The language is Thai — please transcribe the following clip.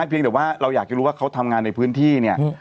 เพียงแต่ว่าเราอยากจะรู้ว่าเขาทำงานในพื้นที่เนี่ย